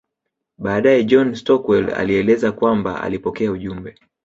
Baadae John Stockwell alieleza kwamba alipokea ujumbe